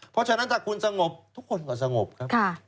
เพราะฉะนั้นถ้าคุณสงบทุกคนก็สงบครับ